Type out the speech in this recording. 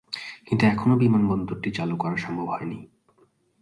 কিন্তু এখনো বিমানবন্দরটি চালু করা সম্ভব হয়নি।